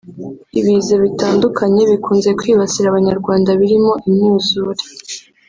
Ibiza bitandukanye bikunze kwibasira abanyarwanda birimo imyuzure